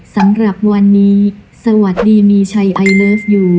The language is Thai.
สำหรับวันนี้สวัสดีมีชัยไอเลิฟยู